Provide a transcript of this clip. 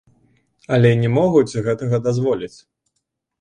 Але не могуць гэтага дазволіць.